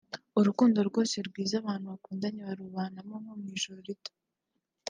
urukundo rwose rwabaye rwiza abakundanye barubanamo nko mu ijuru rito